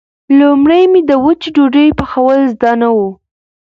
لومړی مې د وچې ډوډۍ پخول زده نه و.